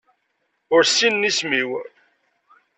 Ur ssinen isem-iw.